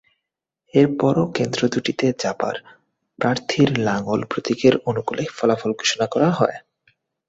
এরপরও কেন্দ্র দুটিতে জাপার প্রার্থীর লাঙ্গল প্রতীকের অনুকূলে ফলাফল ঘোষণা করা হয়।